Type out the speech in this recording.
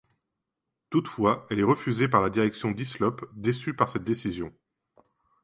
Toutefois, elle est refusée par la direction d'Hislop, déçu par cette décision.